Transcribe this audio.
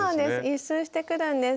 １周してくるんです。